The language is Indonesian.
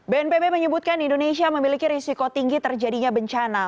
bnpb menyebutkan indonesia memiliki risiko tinggi terjadinya bencana